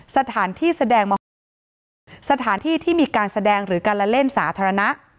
สถานที่แสดงม๖สถานที่ที่มีการแสดงหรือการละเล่นสาธารณะ